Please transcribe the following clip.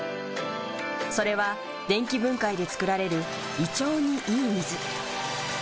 それは電気分解で作られる胃腸にいい水。